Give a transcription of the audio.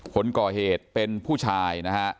คนก่อเหตุเป็นผู้ชายนะฮะ